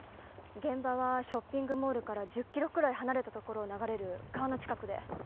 現場はショッピングモールから１０キロくらい離れた所を流れる川の近くで。